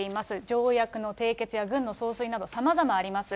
条約の締結や軍の総帥など、さまざまあります。